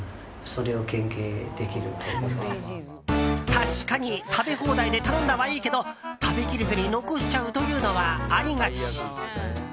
確かに、食べ放題で頼んだはいいけど食べ切れずに残しちゃうというのはありがち。